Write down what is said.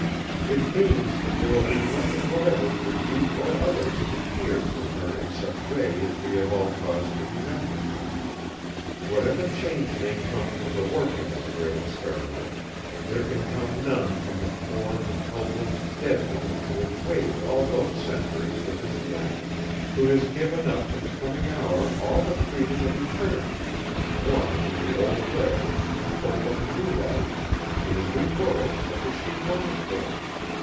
It means that there will be nothing whatever for you or others to fear from her in such way as we have all cause to remember. Whatever change may come from the working of the Great Experiment, there can come none from the poor, helpless, dead woman who has waited all those centuries for this night; who has given up to the coming hour all the freedom of eternity, won in the old way, in hope of a new life in a new world such as she longed for...!"